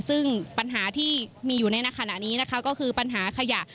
ซึ่งปัญหาที่มีอยู่ในขณะนี้นะคะก็คือปัญหาขยะ